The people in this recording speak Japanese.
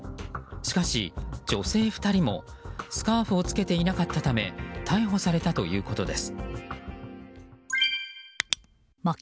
しかし女性２人もスカーフを着けていなかったため逮捕されたということです。